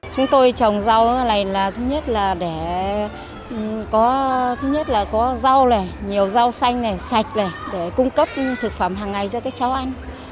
chúng tôi trồng rau này là thứ nhất là để có rau này nhiều rau xanh này sạch này để cung cấp thực phẩm hàng ngày cho các cháu ăn